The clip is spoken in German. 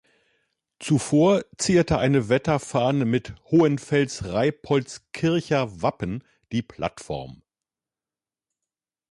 Zuvor zierte eine Wetterfahne mit Hohenfels-Reipoltskircher Wappen die Plattform.